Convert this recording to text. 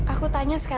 aku tanya sekarang